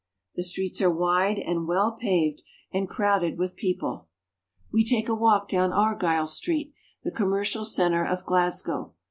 The streets are wide and well paved, and crowded with CARP. EUROPE — 3 36 SCOTLAND. people. We take a walk down Argyle Street, the com mercial center of Glasgow.